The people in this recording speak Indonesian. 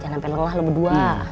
jangan sampai lengah lu berdua